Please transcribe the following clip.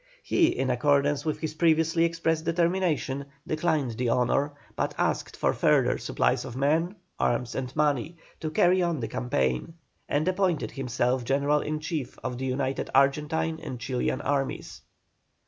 He, in accordance with his previously expressed determination, declined the honour, but asked for further supplies of men, arms, and money, to carry on the campaign, and appointed himself General in Chief of the united Argentine and Chilian armies.